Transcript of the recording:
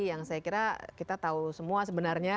yang saya kira kita tahu semua sebenarnya